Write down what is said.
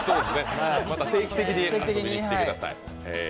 また定期的に遊びにきてください。